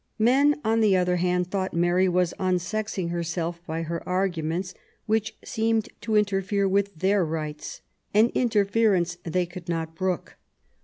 Men, on the other hand, thought Mary was unsexing herself by her arguments, which seemed to interfere with their rights, — an interference they could not brook.